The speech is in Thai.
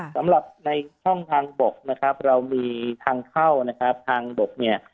สำหรับในช่องทางบกนะครับเรามีทางเข้านะครับทางบกเนี่ย